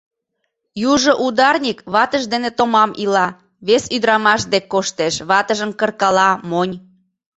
Южо ударник ватыж дене томам ила, вес ӱдырамаш дек коштеш, ватыжым кыркала, монь.